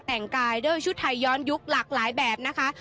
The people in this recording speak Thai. แต่งกายด้วยชุดไทยย้อนยุคหลากหลายแบบนะคะ